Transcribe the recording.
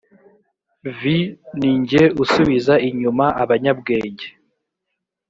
v ni jye usubiza inyuma abanyabwenge